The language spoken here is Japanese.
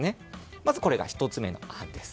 まず、これが１つ目の案です。